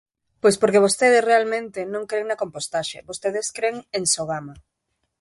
Pois porque vostedes realmente non cren na compostaxe, vostedes cren en Sogama.